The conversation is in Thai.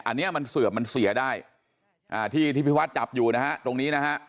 อันนี้มันเสื่อมมันเสียได้ที่พี่วัดจับอยู่นะฮะตรงนี้นะฮะ